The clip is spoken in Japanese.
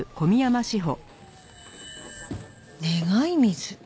「願い水」。